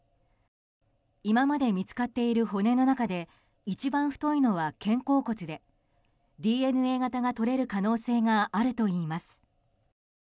今まで見つかっている骨の中で一番太いのは肩甲骨でＤＮＡ型が取れる可能性があるといいます。